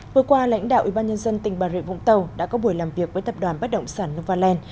vừa qua lãnh đạo ủy ban nhân dân tỉnh bà rịa vũng tàu đã có buổi làm việc với tập đoàn bắt động sản novaland